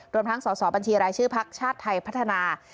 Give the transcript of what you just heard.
รวมทั้งสอสอบัญชีรายชื่อพักชาติไทยพัฒนา